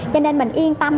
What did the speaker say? cho nên mình yên tâm